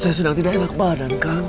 saya sudah tidak enak badan kang